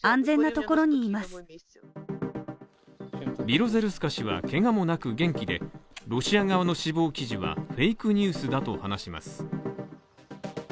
ビロゼルスカ氏はけがもなく元気でロシア側の死亡記事はフェイクニュースだと話します。